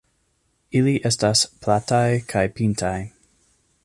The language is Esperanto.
Ili estas plataj kaj pintaj.